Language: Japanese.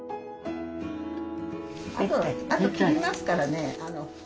あと切りますからね。